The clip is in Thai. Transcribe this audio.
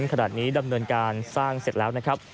ขณะนี้ดำเนินการสร้างเสร็จแล้วนะครับ